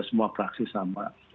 semua praksi sama